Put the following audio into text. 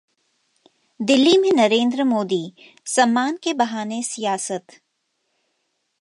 दिल्ली में नरेंद्र मोदी, 'सम्मान' के बहाने सियासत